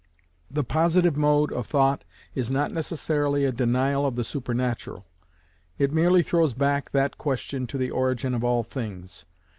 The Positive mode of thought is not necessarily a denial of the supernatural; it merely throws back that question to the origin of all things.